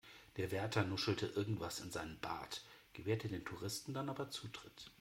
Der Wärter nuschelte irgendwas in seinen Bart, gewährte den Touristen dann aber Zutritt.